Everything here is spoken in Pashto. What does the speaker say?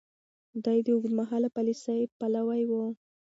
ده د اوږدمهاله پاليسۍ پلوی و.